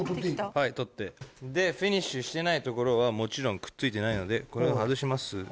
でフィニッシュしてない所はもちろんくっついてないのでこれを外します。